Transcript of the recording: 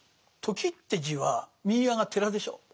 「時」って字は右側が寺でしょう。